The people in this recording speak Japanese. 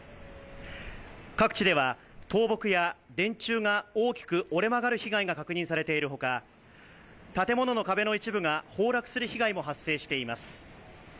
各地では倒木や電柱が大きく折れ曲がる被害が確認されているほか建物の壁の一部が崩落する被害も発生しています。